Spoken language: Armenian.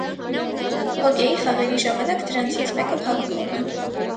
Հոկեյի խաղերի ժամանակ դրանցից մեկը փակվում է։